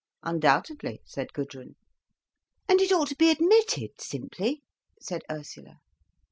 "Undoubtedly!" said Gudrun. "And it ought to be admitted, simply," said Ursula.